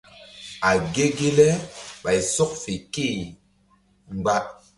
A ge ge le ɓay sɔk fe ké e mgba.